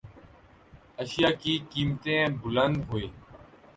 اشیا کی قیمتیں بلند ہوئیں